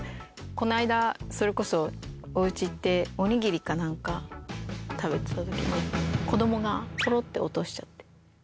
この間、それこそ、おうち行ってお握りかなんか食べてたときに、子どもがぽろって落としちゃって。